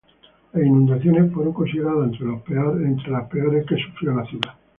Las inundaciones fueron consideradas entre las peores que sufrió la ciudad.